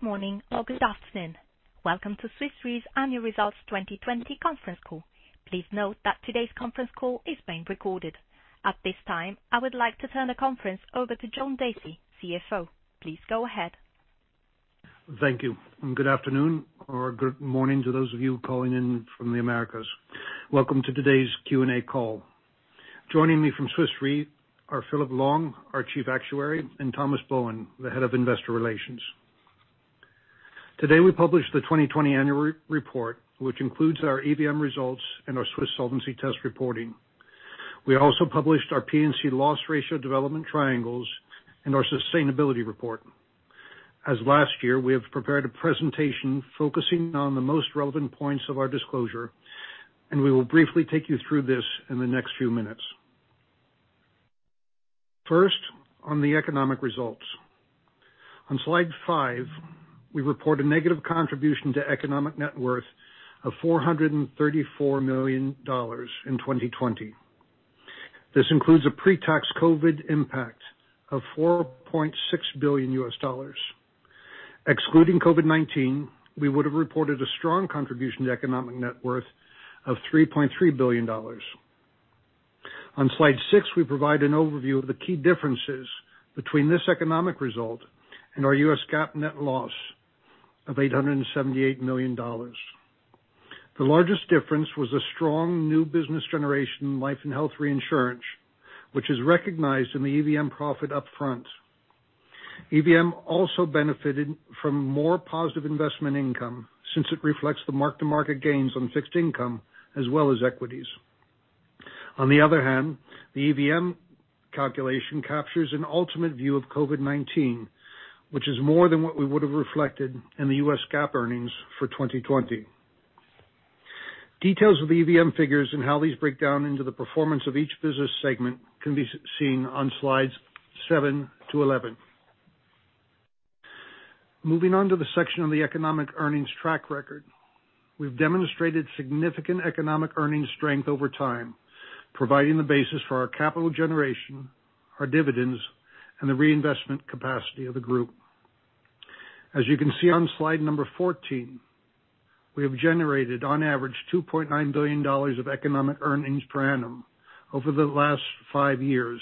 Good morning or good afternoon. Welcome to Swiss Re's Annual Results 2020 Conference Call. Please note that today's conference call is being recorded. At this time, I would like to turn the conference over to John Dacey, CFO. Please go ahead. Thank you. Good afternoon or good morning to those of you calling in from the Americas. Welcome to today's Q&A call. Joining me from Swiss Re are Philip Long, our Chief Actuary, and Thomas Bohun, the Head of Investor Relations. Today we published the 2020 annual report, which includes our EVM results and our Swiss Solvency Test reporting. We also published our P&C loss ratio development triangles and our sustainability report. As last year, we have prepared a presentation focusing on the most relevant points of our disclosure, and we will briefly take you through this in the next few minutes. First, on the economic results. On slide five, we report a negative contribution to economic net worth of $434 million in 2020. This includes a pre-tax COVID impact of $4.6 billion. Excluding COVID-19, we would have reported a strong contribution to economic net worth of $3.3 billion. On slide six, we provide an overview of the key differences between this economic result and our U.S. GAAP net loss of $878 million. The largest difference was a strong new business generation in life and health reinsurance, which is recognized in the EVM profit up front. EVM also benefited from more positive investment income since it reflects the mark-to-market gains on fixed income as well as equities. On the other hand, the EVM calculation captures an ultimate view of COVID-19, which is more than what we would have reflected in the U.S. GAAP earnings for 2020. Details of the EVM figures and how these break down into the performance of each business segment can be seen on slides seven to 11. Moving on to the section on the economic earnings track record. We've demonstrated significant economic earnings strength over time, providing the basis for our capital generation, our dividends, and the reinvestment capacity of the group. As you can see on slide number 14, we have generated on average $2.9 billion of economic earnings per annum over the last five years,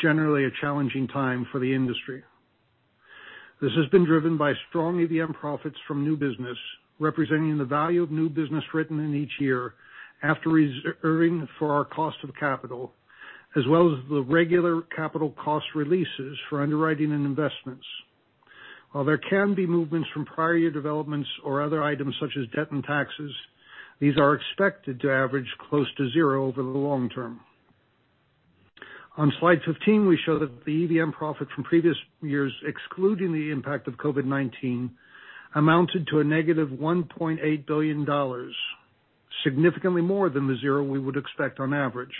generally a challenging time for the industry. This has been driven by strong EVM profits from new business, representing the value of new business written in each year after earning for our cost of capital, as well as the regular capital cost releases for underwriting and investments. While there can be movements from prior year developments or other items such as debt and taxes, these are expected to average close to zero over the long term. On slide 15, we show that the EVM profit from previous years, excluding the impact of COVID-19, amounted to a -$1.8 billion, significantly more than the zero we would expect on average.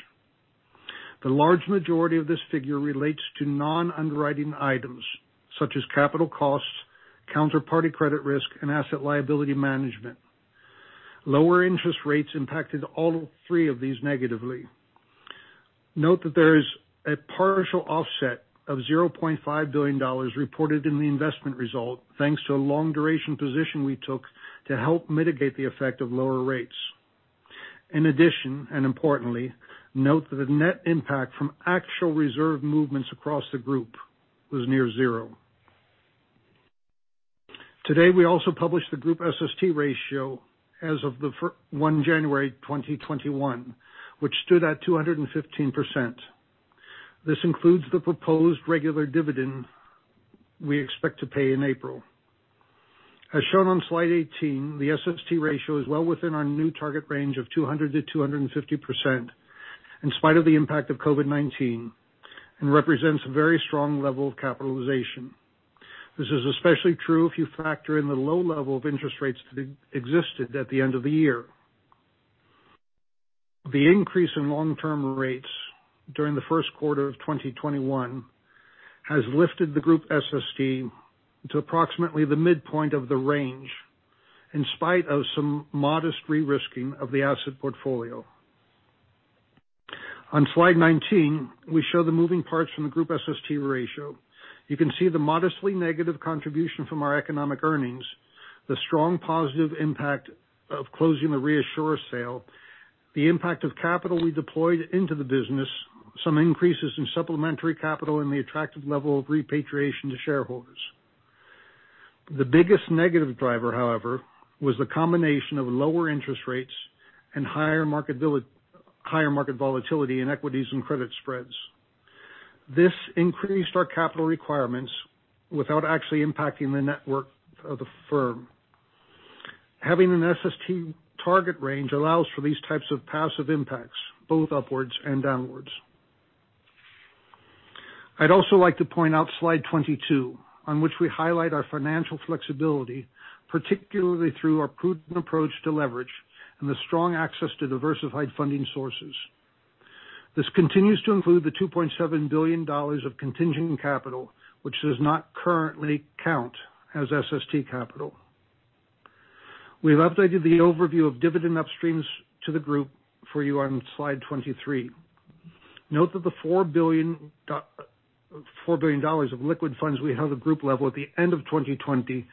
The large majority of this figure relates to non-underwriting items such as capital costs, counterparty credit risk, and asset liability management. Lower interest rates impacted all three of these negatively. Note that there is a partial offset of $0.5 billion reported in the investment result, thanks to a long duration position we took to help mitigate the effect of lower rates. In addition, and importantly, note that the net impact from actual reserve movements across the group was near zero. Today, we also published the Group SST ratio as of January 1, 2021, which stood at 215%. This includes the proposed regular dividend we expect to pay in April. As shown on slide 18, the SST ratio is well within our new target range of 200%-250% in spite of the impact of COVID-19 and represents a very strong level of capitalization. This is especially true if you factor in the low level of interest rates that existed at the end of the year. The increase in long-term rates during the first quarter of 2021 has lifted the Group SST to approximately the midpoint of the range, in spite of some modest re-risking of the asset portfolio. On slide 19, we show the moving parts from the Group SST ratio. You can see the modestly negative contribution from our economic earnings, the strong positive impact of closing the ReAssure sale, the impact of capital we deployed into the business, some increases in supplementary capital and the attractive level of repatriation to shareholders. The biggest negative driver, however, was the combination of lower interest rates and higher market volatility in equities and credit spreads. This increased our capital requirements without actually impacting the net worth of the firm. Having an SST target range allows for these types of passive impacts, both upwards and downwards. I'd also like to point out slide 22, on which we highlight our financial flexibility, particularly through our prudent approach to leverage and the strong access to diversified funding sources. This continues to include the $2.7 billion of contingent capital, which does not currently count as SST capital. We've updated the overview of dividend upstreams to the group for you on slide 23. Note that the $4 billion of liquid funds we have at group level at the end of 2020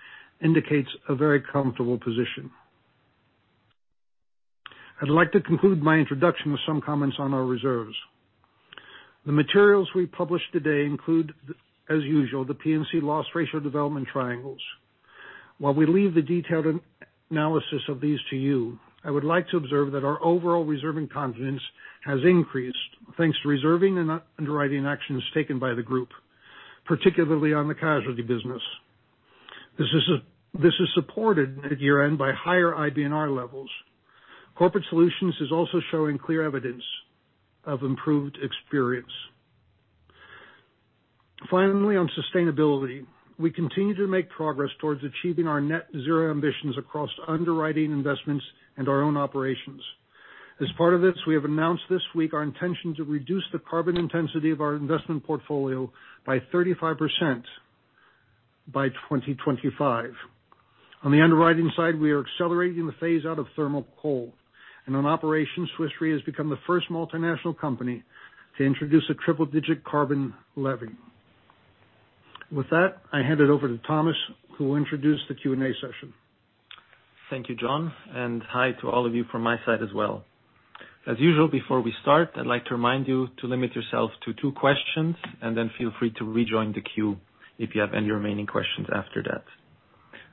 indicates a very comfortable position. I'd like to conclude my introduction with some comments on our reserves. The materials we published today include, as usual, the P&C loss ratio development triangles. While we leave the detailed analysis of these to you, I would like to observe that our overall reserving confidence has increased thanks to reserving and underwriting actions taken by the group, particularly on the casualty business. This is supported at year-end by higher IBNR levels. Corporate Solutions is also showing clear evidence of improved experience. Finally, on sustainability, we continue to make progress towards achieving our net zero ambitions across underwriting investments and our own operations. As part of this, we have announced this week our intention to reduce the carbon intensity of our investment portfolio by 35% by 2025. On the underwriting side, we are accelerating the phase-out of thermal coal. On operations, Swiss Re has become the first multinational company to introduce a triple-digit carbon levy. With that, I hand it over to Thomas, who will introduce the Q&A session. Thank you, John, and hi to all of you from my side as well. As usual, before we start, I'd like to remind you to limit yourself to two questions and then feel free to rejoin the queue if you have any remaining questions after that.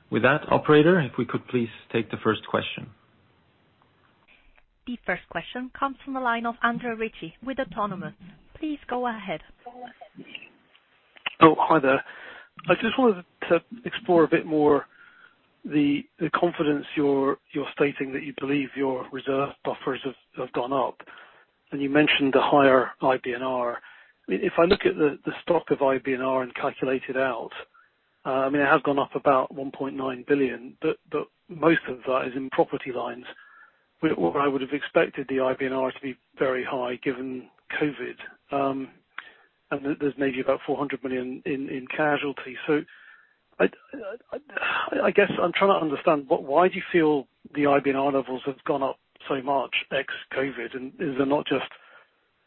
With that, operator, if we could please take the first question. The first question comes from the line of Andrew Ritchie with Autonomous. Please go ahead. Oh, hi there. I just wanted to explore a bit more the confidence you're stating that you believe your reserve buffers have gone up. You mentioned the higher IBNR. If I look at the stock of IBNR and calculate it out, it has gone up about $1.9 billion, but most of that is in property lines, where I would have expected the IBNR to be very high given COVID. There's maybe about $400 million in casualty. I guess I'm trying to understand, why do you feel the IBNR levels have gone up so much ex-COVID? Is it not just,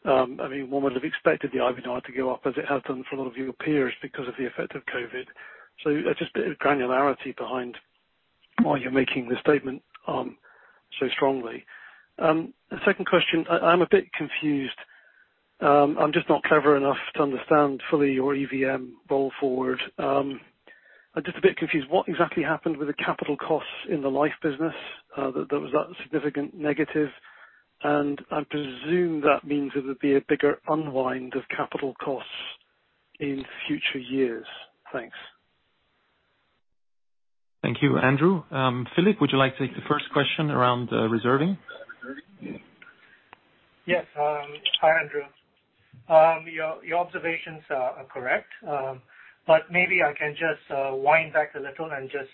one would have expected the IBNR to go up as it has done for a lot of your peers because of the effect of COVID. Just a bit of granularity behind why you're making this statement so strongly. The second question, I'm a bit confused. I'm just not clever enough to understand fully your EVM roll forward. I'm just a bit confused. What exactly happened with the capital costs in the life business? There was that significant negative. I presume that means it would be a bigger unwind of capital costs in future years. Thanks. Thank you, Andrew. Philip, would you like to take the first question around reserving? Yes. Hi, Andrew. Your observations are correct. Maybe I can just wind back a little and just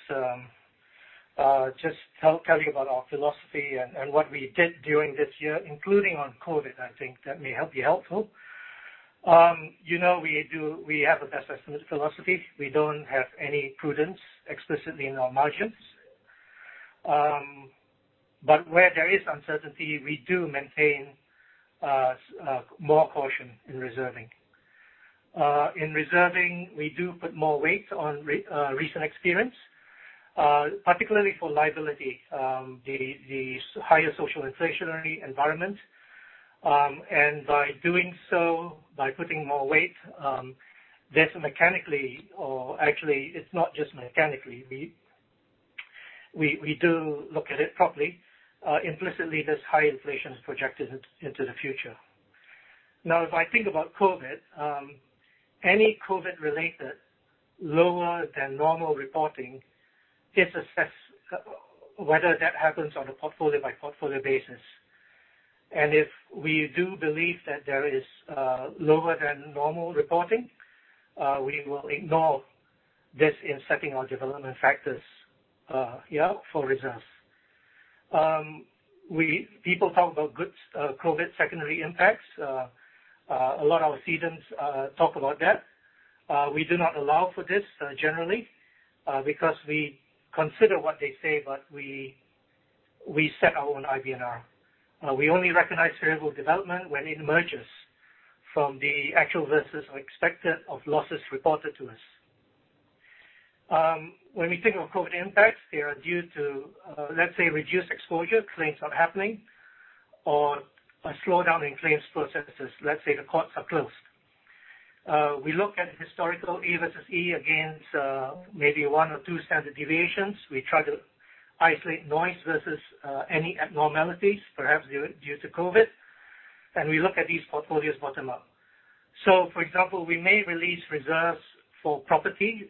tell you about our philosophy and what we did during this year, including on COVID. I think that may be helpful. We have a best estimate philosophy. We don't have any prudence explicitly in our margins. Where there is uncertainty, we do maintain more caution in reserving. In reserving, we do put more weight on recent experience, particularly for liability, the higher social inflationary environment. By doing so, by putting more weight, this mechanically or actually, it's not just mechanically, we do look at it properly. Implicitly, this high inflation is projected into the future. Now, if I think about COVID, any COVID-related lower than normal reporting is assessed whether that happens on a portfolio-by-portfolio basis. If we do believe that there is lower than normal reporting, we will ignore this in setting our development factors for reserves. People talk about good COVID secondary impacts. A lot of our cedents talk about that. We do not allow for this generally because we consider what they say, but we set our own IBNR. We only recognize variable development when it emerges from the actual versus expected of losses reported to us. When we think of COVID impacts, they are due to, let's say, reduced exposure, claims not happening, or a slowdown in claims processes. Let's say the courts are closed. We look at historical A versus E against maybe one or two standard deviations. We try to isolate noise versus any abnormalities, perhaps due to COVID, and we look at these portfolios bottom up. For example, we may release reserves for property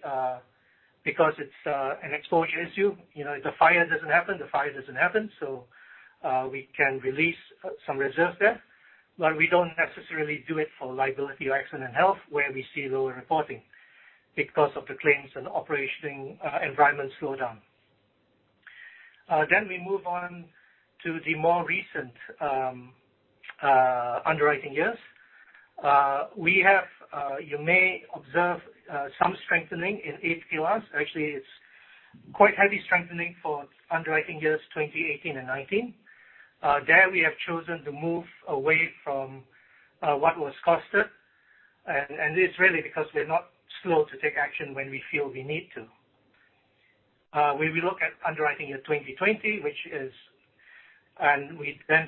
because it's an exposure issue. If the fire doesn't happen, the fire doesn't happen, we can release some reserves there. We don't necessarily do it for liability or accident health, where we see lower reporting because of the claims and operation environment slowdown. We move on to the more recent underwriting years. We may observe some strengthening in [AQR]. Actually, it's quite heavy strengthening for underwriting years 2018 and 2019. There we have chosen to move away from what was costed. It's really because we're not slow to take action when we feel we need to. When we look at underwriting year 2020, we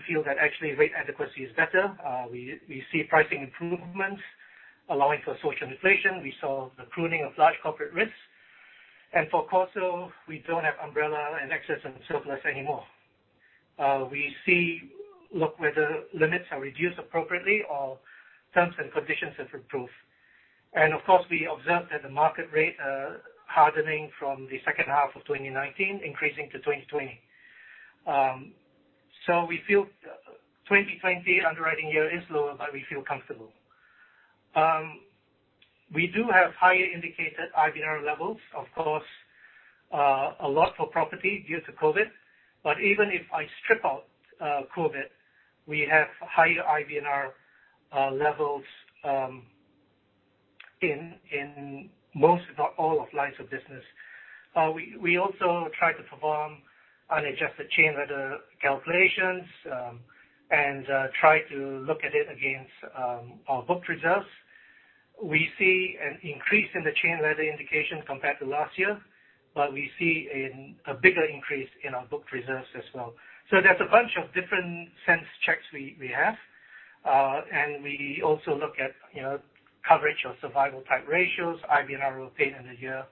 feel that actually rate adequacy is better. We see pricing improvements allowing for social inflation. We saw the pruning of large corporate risks. For CorSo, we don't have umbrella and excess and surplus anymore. We see look whether limits are reduced appropriately or terms and conditions have improved. Of course, we observed that the market rate hardening from the second half of 2019 increasing to 2020. We feel 2020 underwriting year is lower, but we feel comfortable. We do have higher indicated IBNR levels, of course, a lot for property due to COVID. Even if I strip out COVID, we have higher IBNR levels in most, if not all of lines of business. We also try to perform unadjusted chain ladder calculations, and try to look at it against our book reserves. We see an increase in the chain ladder indication compared to last year, but we see a bigger increase in our book reserves as well. There's a bunch of different sense checks we have. We also look at coverage or survival type ratios, IBNR repeat in a year.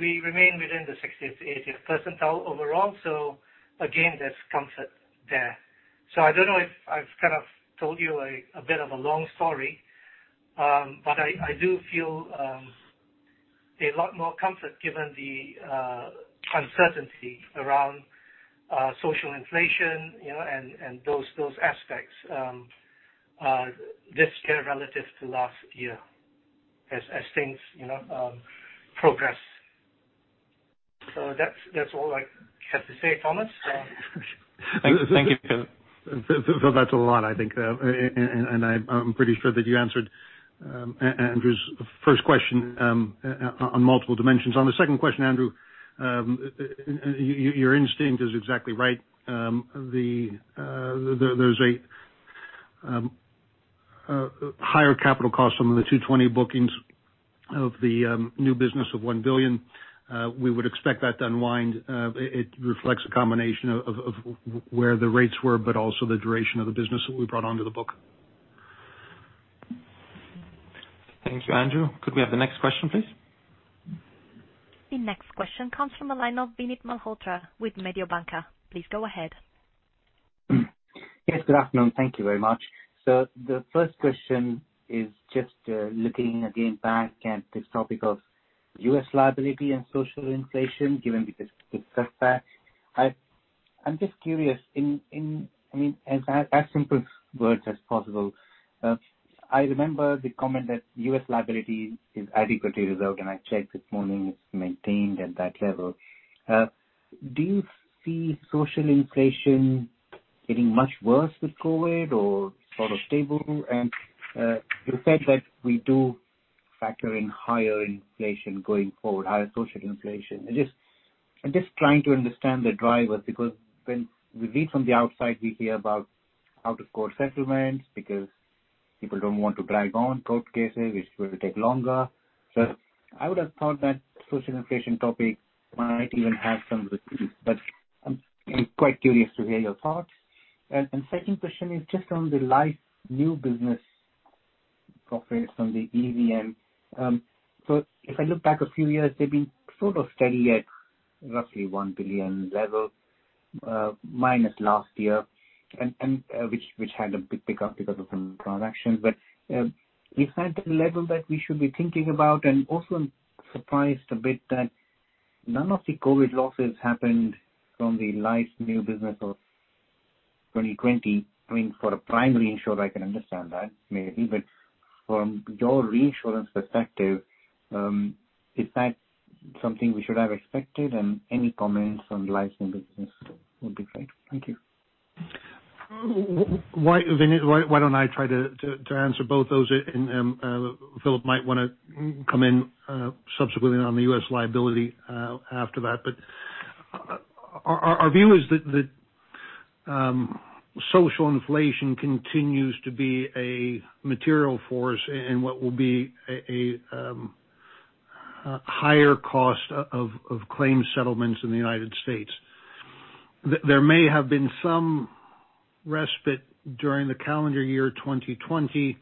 We remain within the 60th to 80th percentile overall. Again, there's comfort there. I don't know if I've kind of told you a bit of a long story. I do feel a lot more comfort given the uncertainty around social inflation, and those aspects this year relative to last year as things progress. That's all I have to say, Thomas. Thank you, Philip. That's a lot, I think. I'm pretty sure that you answered Andrew's first question on multiple dimensions. On the second question, Andrew, your instinct is exactly right. There's a higher capital cost on the 2020 bookings of the new business of $1 billion. We would expect that to unwind. It reflects a combination of where the rates were, but also the duration of the business that we brought onto the book. Thank you, Andrew. Could we have the next question, please? The next question comes from the line of Vinit Malhotra with Mediobanca. Please go ahead. Yes, good afternoon. Thank you very much. The first question is just looking again back at this topic of U.S. liability and social inflation given the success there. I'm just curious, in as simple words as possible. I remember the comment that U.S. liability is adequately reserved, and I checked this morning, it's maintained at that level. Do you see social inflation getting much worse with COVID or sort of stable? You said that we do factor in higher inflation going forward, higher social inflation. I'm just trying to understand the drivers because when we read from the outside, we hear about out of court settlements because people don't want to drag on court cases, which will take longer. I would have thought that social inflation topic might even have some relief, but I'm quite curious to hear your thoughts. Second question is just on the life new business profits from the EVM. If I look back a few years, they've been sort of steady at roughly $1 billion level, minus last year, which had a big pickup because of some transactions. Is that the level that we should be thinking about? Also I'm surprised a bit that none of the COVID losses happened from the life new business of 2020. I mean, for a primary insurer, I can understand that maybe. From your reinsurance perspective, is that something we should have expected? Any comments on life new business would be great. Thank you. Vinit, why don't I try to answer both those, and Philip might want to come in subsequently on the U.S. liability after that. Our view is that social inflation continues to be a material force in what will be a higher cost of claim settlements in the United States. There may have been some respite during the calendar year 2020,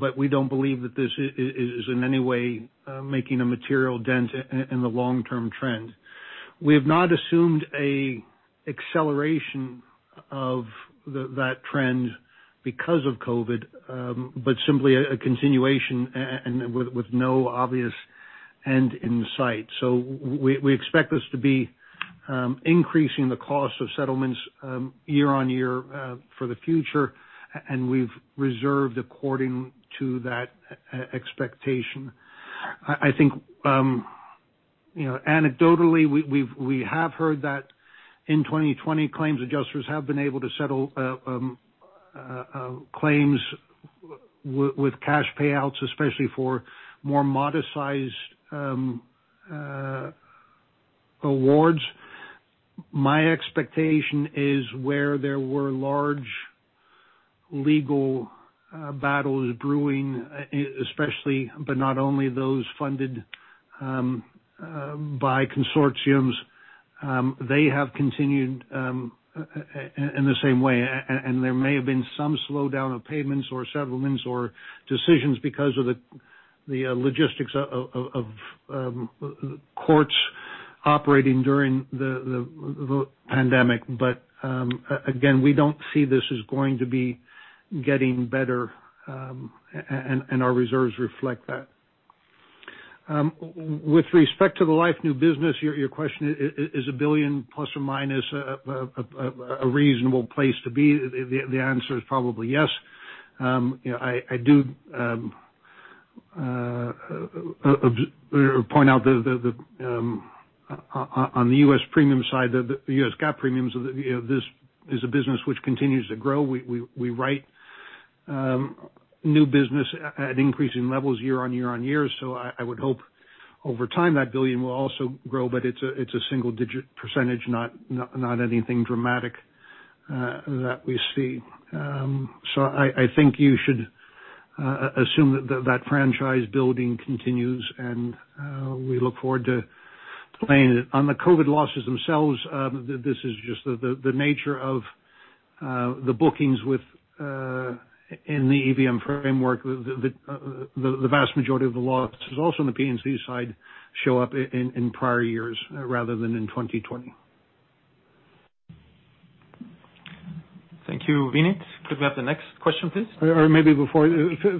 but we don't believe that this is in any way making a material dent in the long-term trend. We have not assumed an acceleration of that trend because of COVID, but simply a continuation and with no obvious end in sight. We expect this to be increasing the cost of settlements year-over-year for the future, and we've reserved according to that expectation. Anecdotally, we have heard that in 2020, claims adjusters have been able to settle claims with cash payouts, especially for more modest-sized awards. My expectation is where there were large legal battles brewing, especially, but not only those funded by consortiums, they have continued in the same way, and there may have been some slowdown of payments or settlements or decisions because of the logistics of courts operating during the pandemic. Again, we don't see this as going to be getting better, and our reserves reflect that. With respect to the life new business, your question, is $1 billion ± a reasonable place to be? The answer is probably yes. I do point out on the U.S. premium side, the U.S. GAAP premiums, this is a business which continues to grow. We write new business at increasing levels year on year on year. I would hope over time that $1 billion will also grow, but it's a single-digit percentage, not anything dramatic that we see. I think you should assume that franchise building continues, and we look forward to claiming it. On the COVID losses themselves, this is just the nature of the bookings in the EVM framework, the vast majority of the losses, also on the P&C side, show up in prior years rather than in 2020. Thank you, Vinit. Could we have the next question, please? Maybe before,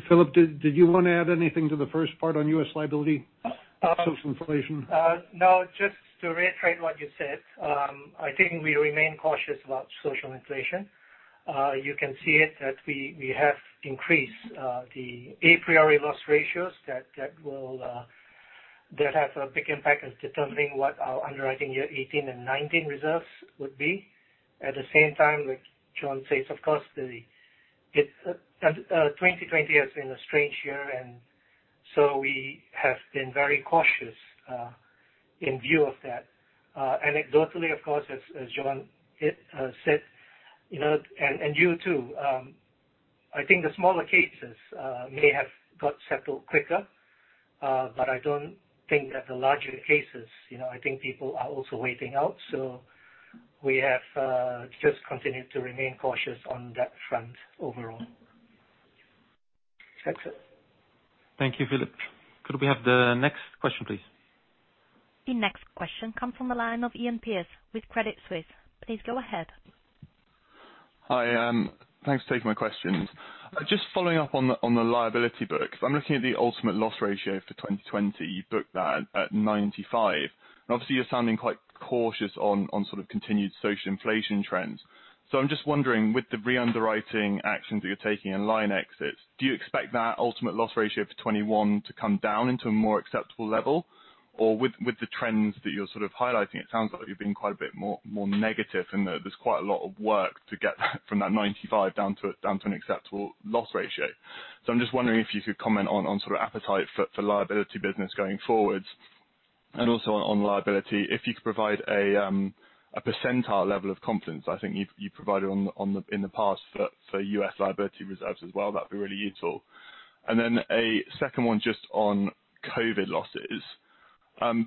Philip, did you want to add anything to the first part on U.S. liability social inflation? No, just to reiterate what you said, I think we remain cautious about social inflation. You can see it that we have increased the a priori loss ratios that have a big impact in determining what our underwriting year 2018 and 2019 reserves would be. At the same time, like John says, of course, 2020 has been a strange year, and so we have been very cautious in view of that. Anecdotally, of course, as John said, and you too, I think the smaller cases may have got settled quicker, but I don't think that the larger cases, I think people are also waiting out. We have just continued to remain cautious on that front overall. That's it. Thank you, Philip. Could we have the next question, please? The next question comes from the line of Iain Pearce with Credit Suisse. Please go ahead. Hi. Thanks for taking my questions. Just following up on the liability book. I'm looking at the ultimate loss ratio for 2020. You booked that at 95. Obviously, you're sounding quite cautious on sort of continued social inflation trends. I'm just wondering, with the re-underwriting actions that you're taking and line exits, do you expect that ultimate loss ratio for 2021 to come down into a more acceptable level? With the trends that you're sort of highlighting, it sounds like you're being quite a bit more negative and there's quite a lot of work to get that from that 95 down to an acceptable loss ratio. I'm just wondering if you could comment on sort of appetite for liability business going forwards, and also on liability, if you could provide a percentile level of confidence, I think you provided in the past for U.S. liability reserves as well. That'd be really useful. A second one just on COVID losses.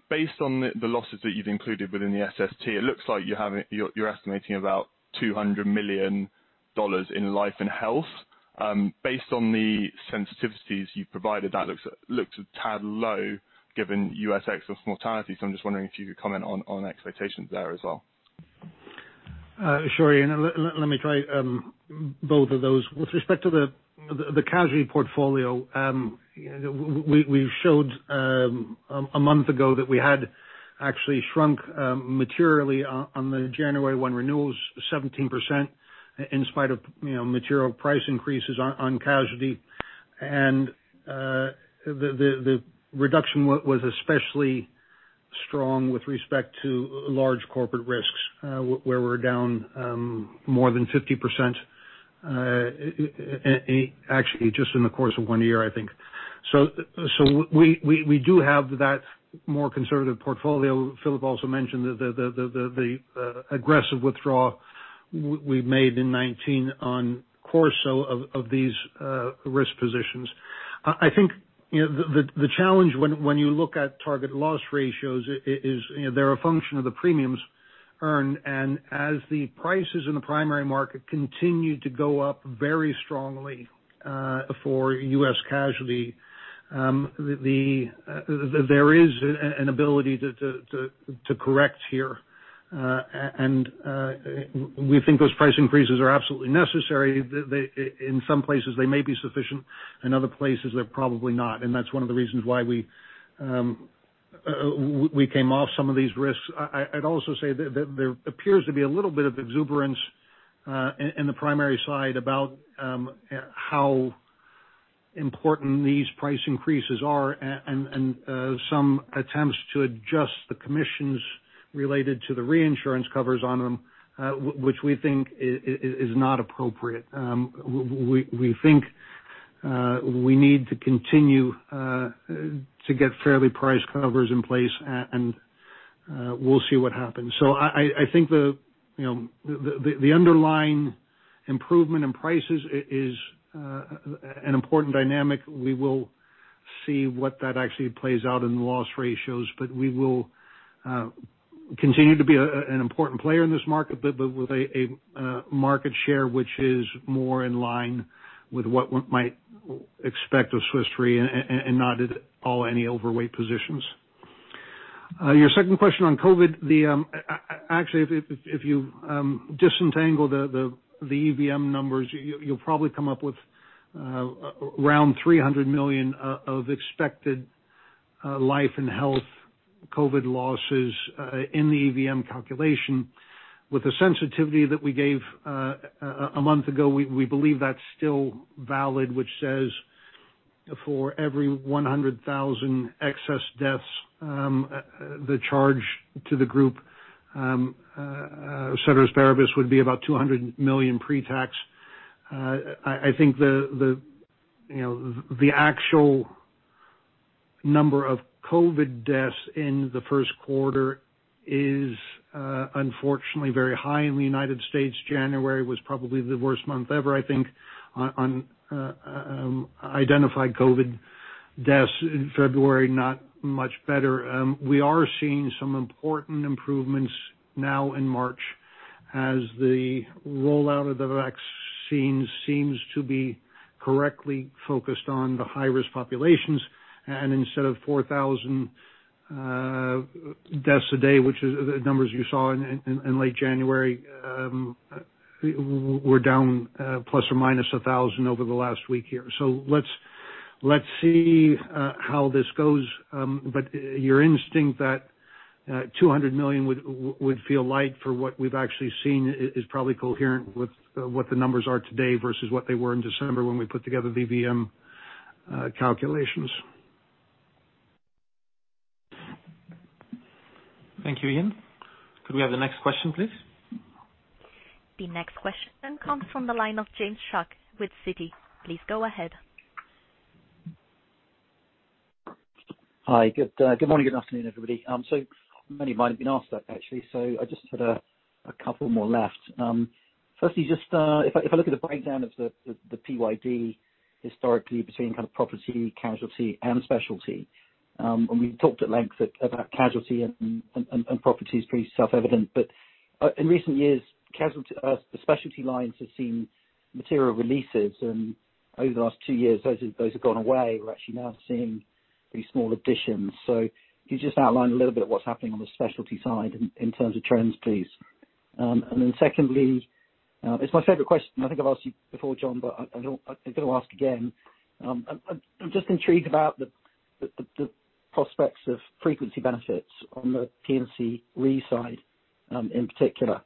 Based on the losses that you've included within the SST, it looks like you're estimating about $200 million in life and health. Based on the sensitivities you've provided, that looks a tad low given U.S. excess mortality. I'm just wondering if you could comment on expectations there as well. Sure, Iain, let me try both of those. With respect to the casualty portfolio, we showed a month ago that we had actually shrunk materially on the January 1 renewals, 17%, in spite of material price increases on casualty. The reduction was especially strong with respect to large corporate risks, where we're down more than 50% actually just in the course of one year, I think. So, we do have that more conservative portfolio Philip also mentioned the aggressive withdrawal we made in 2019 on CorSo of these risk positions. I think the challenge when you look at target loss ratios is they're a function of the premiums earned. As the prices in the primary market continue to go up very strongly for U.S. casualty, there is an ability to correct here. We think those prices increases are absolutely necessary. In some places, they may be sufficient. In other places, they're probably not. That's one of the reasons why we came off some of these risks. I'd also say there appears to be a little bit of exuberance in the primary side about how important these price increases are and some attempts to adjust the commissions related to the reinsurance covers on them, which we think is not appropriate. We think we need to continue to get fairly priced covers in place, and we'll see what happens. I think the underlying improvement in prices is an important dynamic. We will see what that actually plays out in the loss ratios, but we will continue to be an important player in this market, but with a market share which is more in line with what one might expect of Swiss Re and not at all any overweight positions. Your second question on COVID, actually, if you disentangle the EVM numbers, you'll probably come up with around $300 million of expected life and health COVID losses in the EVM calculation. With the sensitivity that we gave a month ago, we believe that's still valid, which says for every 100,000 excess deaths, the charge to the group, ceteris paribus, would be about $200 million pre-tax. I think the actual number of COVID deaths in the first quarter is unfortunately very high in the United States. January was probably the worst month ever, I think, on identified COVID deaths. In February, not much better. We are seeing some important improvements now in March as the rollout of the vaccine seems to be correctly focused on the high-risk populations. Instead of 4,000 deaths a day, which is the numbers you saw in late January, we're down ±1,000 over the last week here. Let's see how this goes. Your instinct that $200 million would feel light for what we've actually seen is probably coherent with what the numbers are today versus what they were in December when we put together the EVM calculations. Thank you, Iain. Could we have the next question, please? The next question comes from the line of James Shuck with Citi. Please go ahead. Hi. Good morning. Good afternoon, everybody. Many might have been asked that actually. I just had a couple more left. Firstly, just if I look at the breakdown of the PYD historically between kind of property, casualty, and specialty, and we've talked at length about casualty and property is pretty self-evident. In recent years, the specialty lines have seen material releases, and over the last two years, those have gone away. We're actually now seeing pretty small additions. Can you just outline a little bit of what's happening on the specialty side in terms of trends, please? Then secondly, it's my favorite question, and I think I've asked you before, John, but I'm going to ask again. I'm just intrigued about the prospects of frequency benefits on the P&C re side in particular.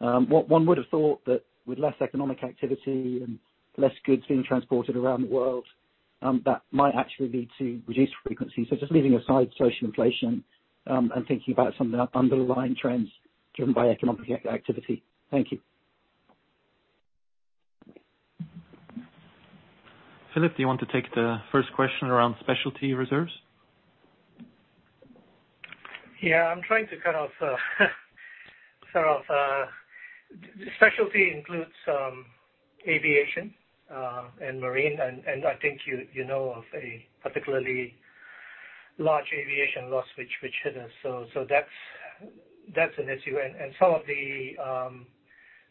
One would have thought that with less economic activity and less goods being transported around the world, that might actually lead to reduced frequency. Just leaving aside social inflation, I'm thinking about some of the underlying trends driven by economic activity. Thank you. Philip, do you want to take the first question around specialty reserves? Yeah, I'm trying to kind of specialty includes aviation and marine, and I think you know of a particularly large aviation loss which hit us. That's an issue.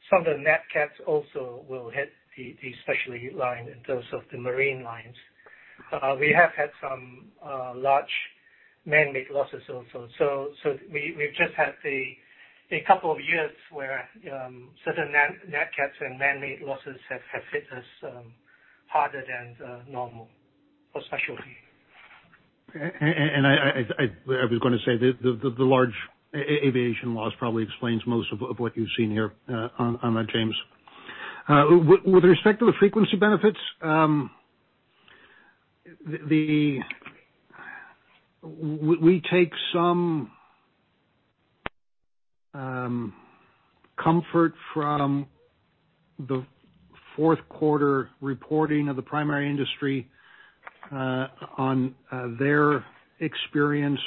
Some of the nat cats also will hit the specialty line in terms of the marine lines. We have had some large manmade losses also. We've just had a couple of years where certain nat cats and manmade losses have hit us harder than normal for specialty. I was going to say, the large aviation loss probably explains most of what you've seen here on that, James. With respect to the frequency benefits, we take some comfort from the fourth quarter reporting of the primary industry on their experience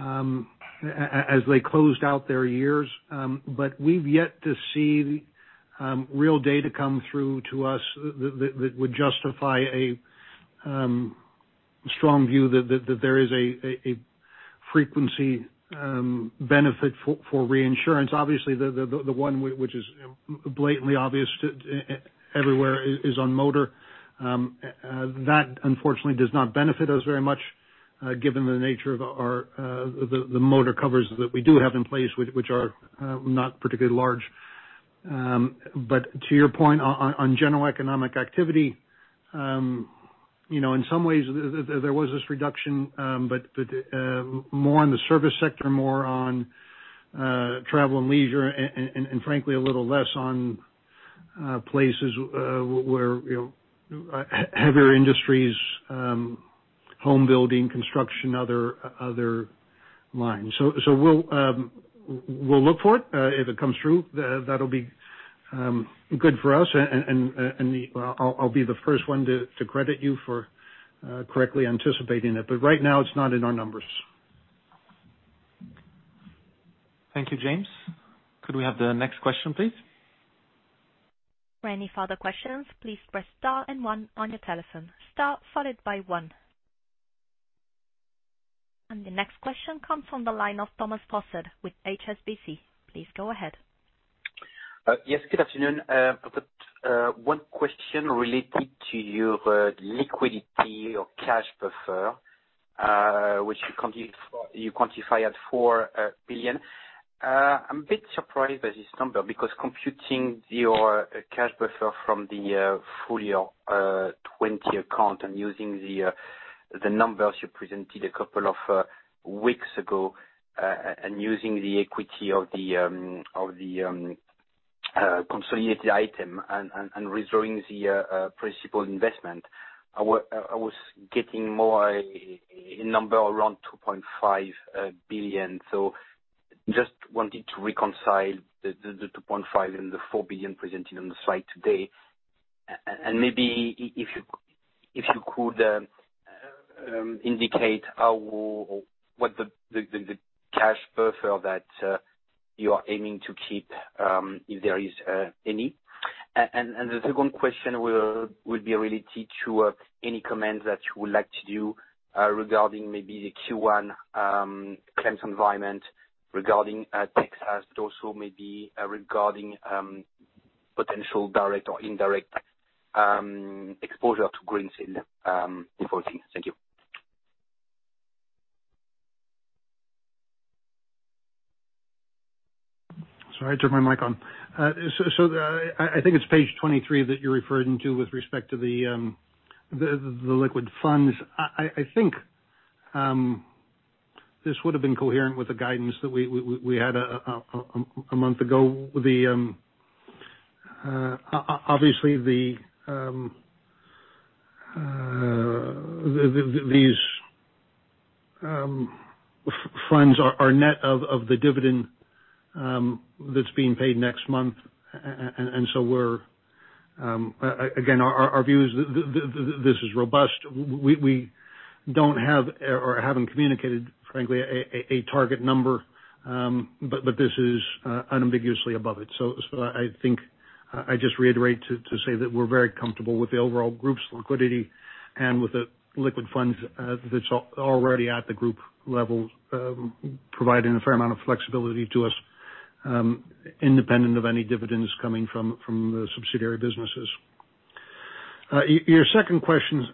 as they closed out their years. We've yet to see real data come through to us that would justify a strong view that there is a frequency benefit for reinsurance. Obviously, the one which is blatantly obvious everywhere is on motor. That unfortunately does not benefit us very much, given the nature of the motor covers that we do have in place, which are not particularly large. To your point on general economic activity, in some ways, there was this reduction, but more on the service sector, more on travel and leisure, and frankly, a little less on places where heavier industries, home building, construction, other lines. We'll look for it. If it comes through, that'll be good for us, and I'll be the first one to credit you for correctly anticipating it. Right now it's not in our numbers. Thank you. James. Could we have the next question, please? For any further questions, please press star and one on your telephone. Star followed by one. And the next question comes from the line of Thomas Fossard with HSBC. Please go ahead. Yes, good afternoon. I've got one question related to your liquidity or cash buffer, which you quantify at $4 billion. I'm a bit surprised by this number because computing your cash buffer from the full year 2020 account and using the numbers you presented a couple of weeks ago, and using the equity of the consolidated item, and withdrawing the principal investment, I was getting more a number around $2.5 billion. Just wanted to reconcile the $2.5 and the $4 billion presented on the slide today. Maybe if you could indicate what the cash buffer that you are aiming to keep, if there is any. The second question would be related to any comments that you would like to do regarding maybe the Q1 claims environment regarding Texas, but also maybe regarding potential direct or indirect exposure to Greensill default. Thank you. Sorry, I turned my mic on. I think it's page 23 that you're referring to with respect to the liquid funds. I think this would've been coherent with the guidance that we had a month ago. Obviously, these funds are net of the dividend that's being paid next month. Again, our view is this is robust. We don't have, or haven't communicated, frankly, a target number. This is unambiguously above it. I think I just reiterate to say that we're very comfortable with the overall group's liquidity and with the liquid funds that's already at the group level, providing a fair amount of flexibility to us, independent of any dividends coming from the subsidiary businesses. Your second question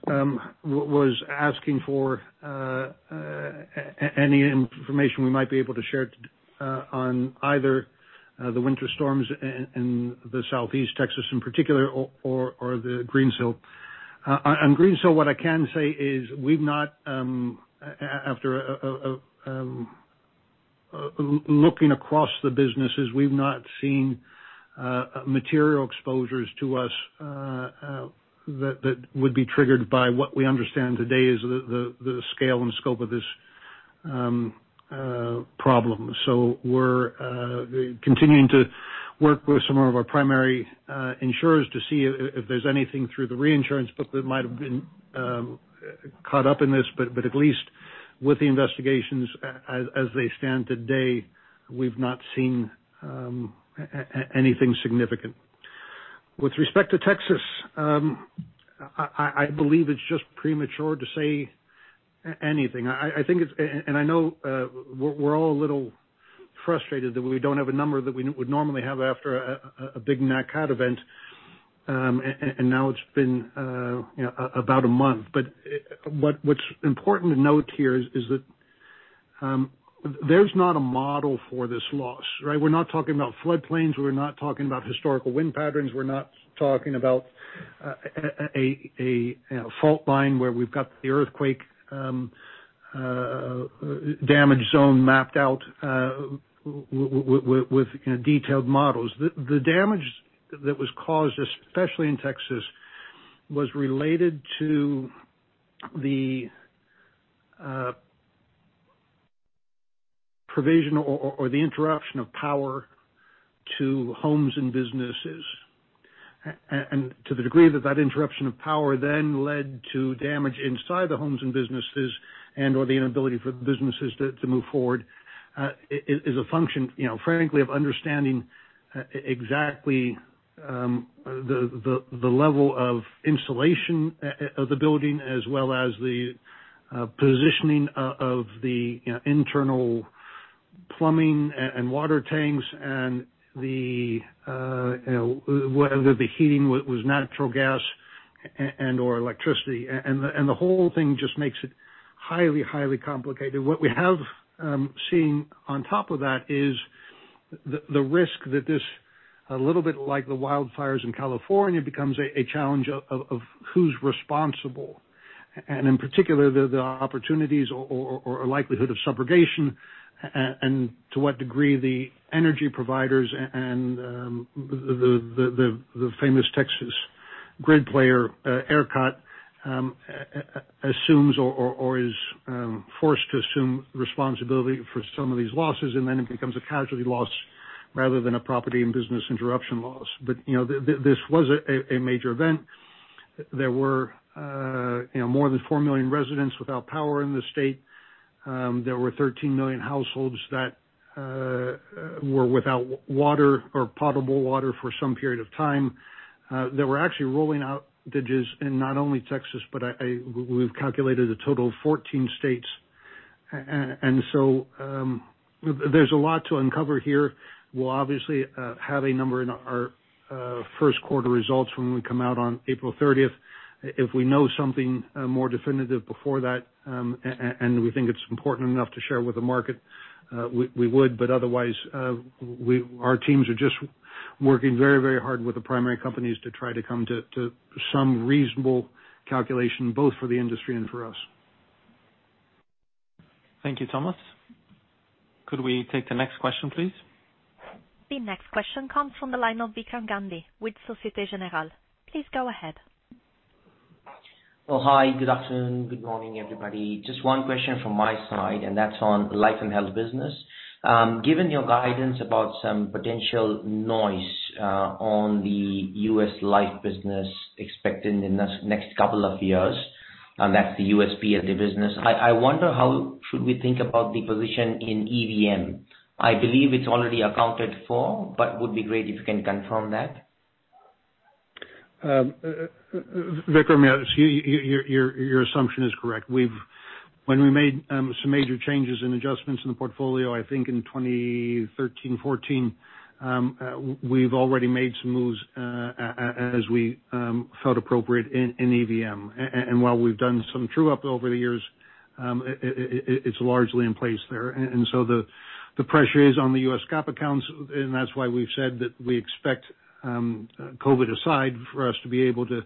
was asking for any information we might be able to share on either the winter storms in the Southeast Texas in particular, or the Greensill. On Greensill, what I can say is, after looking across the businesses, we've not seen material exposures to us that would be triggered by what we understand today is the scale and scope of this problem. We're continuing to work with some more of our primary insurers to see if there's anything through the reinsurance, but that might've been caught up in this. At least with the investigations as they stand today, we've not seen anything significant. With respect to Texas, I believe it's just premature to say anything. I know we're all a little frustrated that we don't have a number that we would normally have after a big nat cat event. Now it's been about a month. What's important to note here is that there's not a model for this loss, right? We're not talking about flood plains, we're not talking about historical wind patterns, we're not talking about a fault line where we've got the earthquake damage zone mapped out with detailed models. The damage that was caused, especially in Texas, was related to the provision or the interruption of power to homes and businesses. To the degree that that interruption of power then led to damage inside the homes and businesses and or the inability for the businesses to move forward, is a function, frankly, of understanding exactly the level of insulation of the building, as well as the positioning of the internal plumbing and water tanks and whether the heating was natural gas and/or electricity. The whole thing just makes it highly complicated. What we have seen on top of that is the risk that this little bit like the wildfires in California becomes a challenge of who's responsible. In particular, the opportunities or likelihood of subrogation, and to what degree the energy providers and the famous Texas grid player, ERCOT, assumes or is forced to assume responsibility for some of these losses. Then it becomes a casualty loss rather than a property and business interruption loss. This was a major event. There were more than four million residents without power in the state. There were 13 million households that were without water or potable water for some period of time. They were actually rolling outages in not only Texas, but we've calculated a total of 14 states. There's a lot to uncover here. We'll obviously have a number in our first quarter results when we come out on April 30th. If we know something more definitive before that, and we think it's important enough to share with the market, we would. Otherwise, our teams are just working very, very hard with the primary companies to try to come to some reasonable calculation, both for the industry and for us. Thank you, Thomas. Could we take the next question, please? The next question comes from the line of Vikram Gandhi with Societe Generale. Please go ahead. Oh, hi. Good afternoon. Good morning, everybody. Just one question from my side, and that's on life and health business. Given your guidance about some potential noise on the U.S. life business expected in the next couple of years, and that's the USP of the business. I wonder how should we think about the position in EVM? I believe it's already accounted for, but would be great if you can confirm that. Vikram, your assumption is correct. When we made some major changes and adjustments in the portfolio, I think in 2013, 2014, we've already made some moves, as we felt appropriate in EVM. While we've done some true up over the years, it's largely in place there. The pressure is on the U.S. GAAP accounts, and that's why we've said that we expect, COVID aside, for us to be able to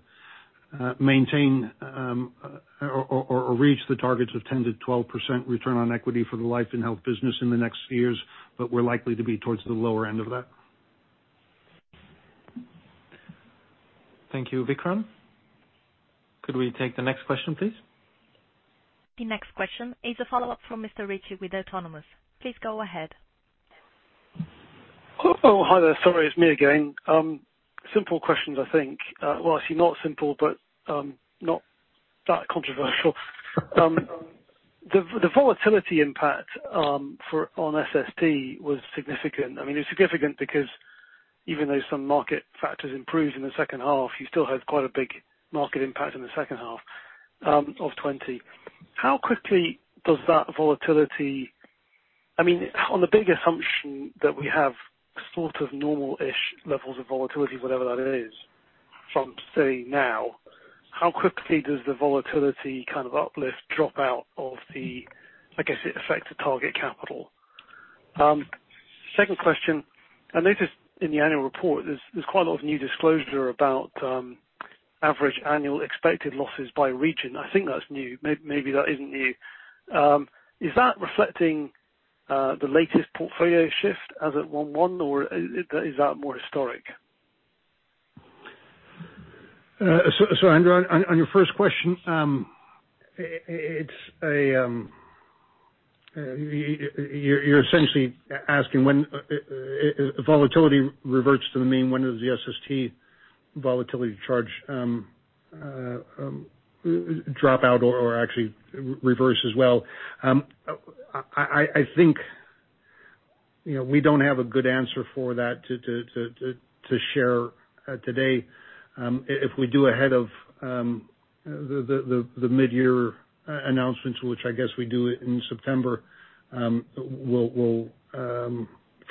maintain or reach the targets of 10%-12% return on equity for the life and health business in the next years, but we're likely to be towards the lower end of that. Thank you, Vikram. Could we take the next question, please? The next question is a follow-up from Mr. Ritchie with Autonomous. Please go ahead. Oh, hi there. Sorry, it's me again. Simple questions, I think. Well, actually, not simple, but not that controversial. The volatility impact on SST was significant. It's significant because even though some market factors improved in the second half, you still had quite a big market impact in the second half of 2020. How quickly does that volatility, I mean, on the big assumption that we have sort of normal-ish levels of volatility, whatever that is, from, say, now, how quickly does the volatility kind of uplift drop out of the, I guess it affects the target capital. Second question, I noticed in the annual report there's quite a lot of new disclosure about average annual expected losses by region. I think that's new. Maybe that isn't new. Is that reflecting the latest portfolio shift as at one-one, or is that more historic? Andrew, on your first question, you're essentially asking when volatility reverts to the mean, when does the SST volatility charge drop out or actually reverse as well? I think we don't have a good answer for that to share today. If we do ahead of the mid-year announcements, which I guess we do it in September, we'll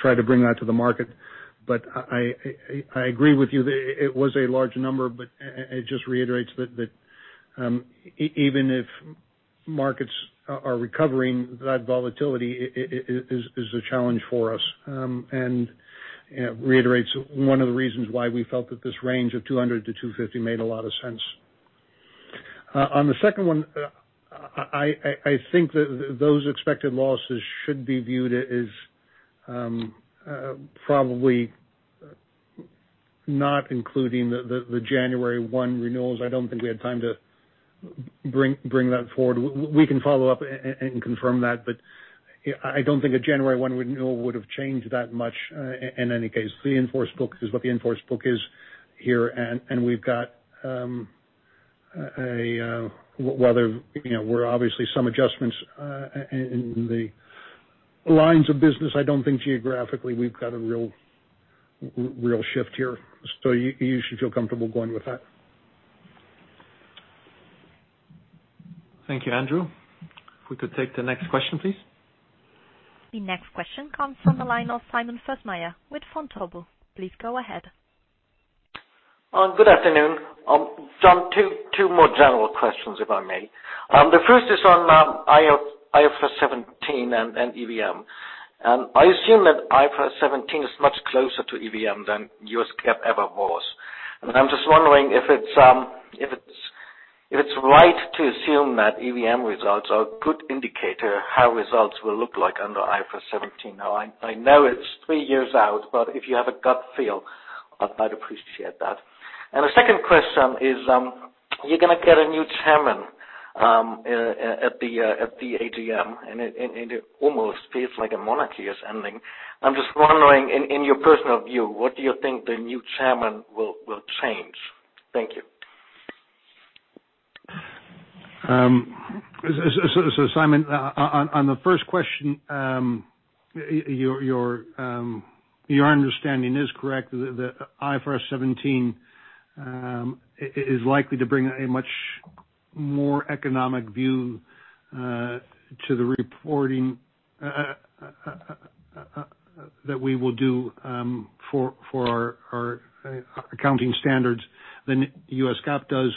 try to bring that to the market. I agree with you. It was a large number, but it just reiterates that even if markets are recovering, that volatility is a challenge for us, and reiterates one of the reasons why we felt that this range of 200-250 made a lot of sense. On the second one, I think that those expected losses should be viewed as probably not including the January one renewals. I don't think we had time to bring that forward. We can follow up and confirm that. I don't think a January one renewal would have changed that much in any case. The in-force book is what the in-force book is here. We've got, well, there were obviously some adjustments in the lines of business. I don't think geographically we've got a real shift here. You should feel comfortable going with that. Thank you, Andrew. If we could take the next question, please. The next question comes from the line of Simon Fössmeier with Vontobel. Please go ahead. Good afternoon. John, two more general questions, if I may. The first is on IFRS 17 and EVM. I assume that IFRS 17 is much closer to EVM than U.S. GAAP ever was. I'm just wondering if it's right to assume that EVM results are a good indicator how results will look like under IFRS 17. Now, I know it's three years out, but if you have a gut feel, I'd appreciate that. The second question is, you're going to get a new chairman at the AGM, and it almost feels like a monarchy is ending. I'm just wondering, in your personal view, what do you think the new chairman will change? Thank you. Simon, on the first question, your understanding is correct. The IFRS 17 is likely to bring a much more economic view to the reporting that we will do for our accounting standards than U.S. GAAP does.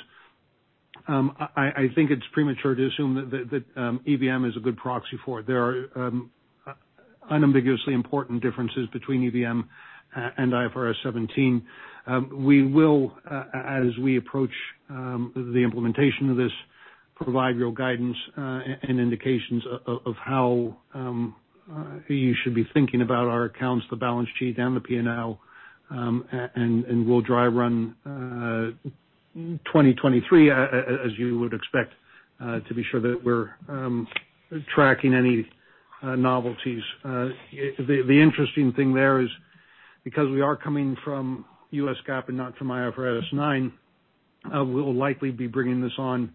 I think it's premature to assume that EVM is a good proxy for it. There are unambiguously important differences between EVM and IFRS 17. We will, as we approach the implementation of this, provide real guidance, and indications of how you should be thinking about our accounts, the balance sheet, and the P&L, and we'll dry run 2023, as you would expect, to be sure that we're tracking any novelties. The interesting thing there is because we are coming from U.S. GAAP and not from IFRS 9, we'll likely be bringing this on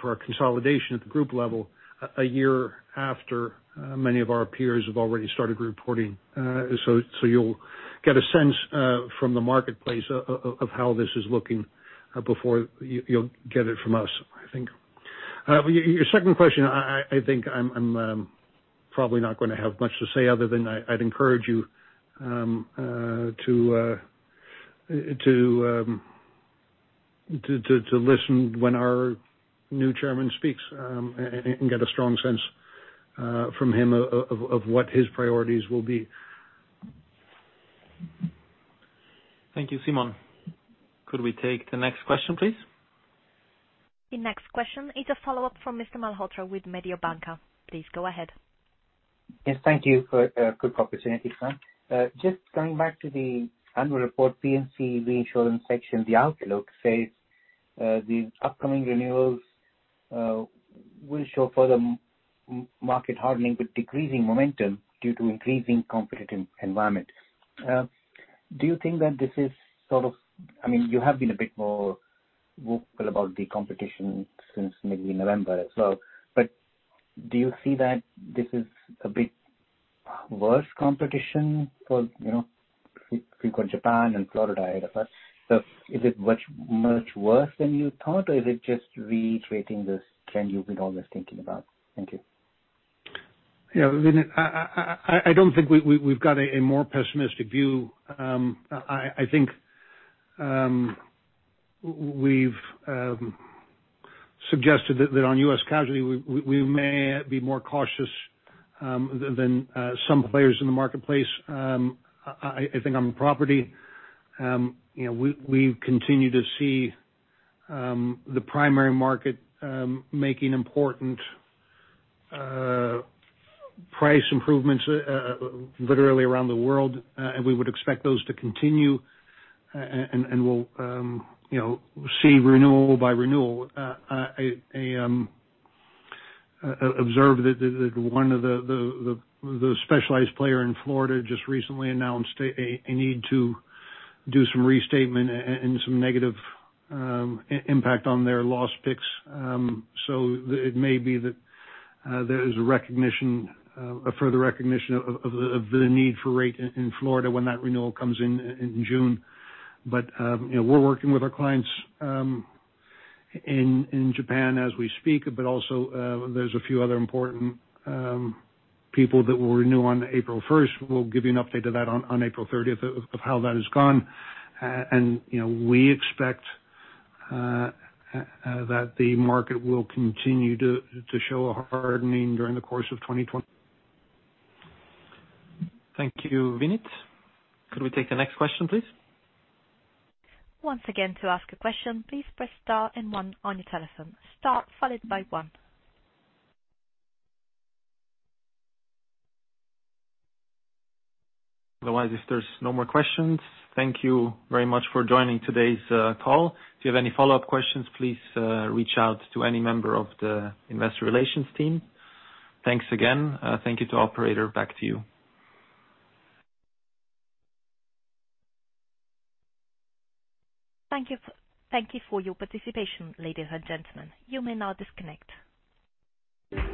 for our consolidation at the group level a year after many of our peers have already started reporting. You'll get a sense from the marketplace of how this is looking before you'll get it from us, I think. Your second question, I think I'm probably not going to have much to say other than I'd encourage you to listen when our new chairman speaks, and you can get a strong sense from him of what his priorities will be. Thank you. Simon. Could we take the next question, please? The next question is a follow-up from Mr. Malhotra with Mediobanca. Please go ahead. Yes, thank you for a good opportunity, Simon. Just going back to the annual report, P&C reinsurance section, the outlook says the upcoming renewals will show further market hardening with decreasing momentum due to increasing competitive environment. Do you think that this is You have been a bit more vocal about the competition since maybe November as well, but do you see that this is a bit worse competition for [frequent Japan and Florida IFR]? Is it much worse than you thought, or is it just reiterating this trend you've been always thinking about? Thank you. Yeah. Vinit, I don't think we've got a more pessimistic view. I think we've suggested that on U.S. casualty, we may be more cautious than some players in the marketplace. I think on the property, we continue to see the primary market making important price improvements literally around the world. We would expect those to continue, and we'll see renewal by renewal. I observe that one of the specialized player in Florida just recently announced a need to do some restatement and some negative impact on their loss picks. It may be that there is a further recognition of the need for rate in Florida when that renewal comes in in June. We're working with our clients in Japan as we speak, but also there's a few other important people that will renew on April 1st. We'll give you an update of that on April 30th of how that has gone. We expect that the market will continue to show a hardening during the course of 2020. Thank you, Vinit. Could we take the next question, please? Once again, to ask a question, please press star and one on your telephone. Star followed by one. Otherwise, if there's no more questions, thank you very much for joining today's call. If you have any follow-up questions, please reach out to any member of the investor relations team. Thanks again. Thank you to operator. Back to you. Thank you for your participation, ladies and gentlemen. You may now disconnect.